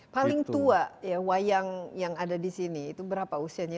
paling tua ya wayang yang ada di sini itu berapa usianya